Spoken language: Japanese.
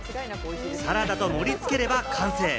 サラダと盛り付ければ完成！